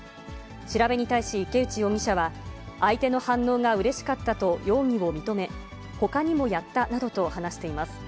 調べに対し、池内容疑者は、相手の反応がうれしかったと、容疑を認め、ほかにもやったなどと話しています。